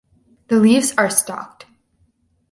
The leaves are stalked.